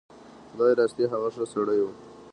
خدای راستي هغه ښه سړی و.